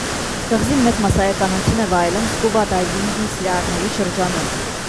Կղզին մեծ մասսայականություն է վայելում սկուբա դայվինգի սիրահարների շրջանում։